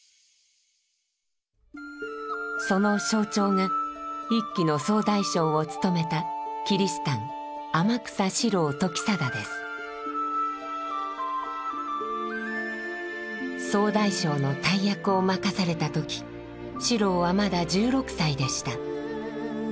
その象徴が一揆の総大将を務めたキリシタン総大将の大役を任されたとき四郎はまだ１６歳でした。